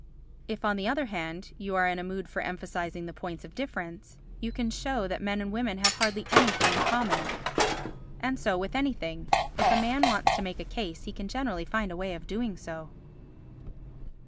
If, on the other hand, you are in a mood for emphasising the points of difference, you can show that men and women have hardly anything in common. And so with anything: if a man wants to make a case he can generally find a way of doing so.